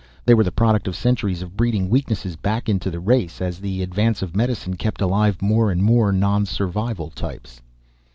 They were the product of centuries of breeding weaknesses back into the race, as the advance of medicine kept alive more and more non survival types.